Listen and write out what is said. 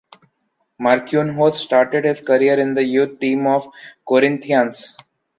Marquinhos started his career in the youth team of Corinthians.